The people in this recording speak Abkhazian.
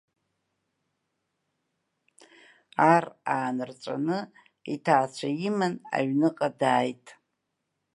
Ар аанырҵәаны, иҭаацәа иман, аҩныҟа дааит.